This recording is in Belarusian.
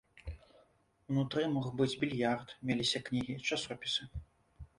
Унутры мог быць більярд, меліся кнігі, часопісы.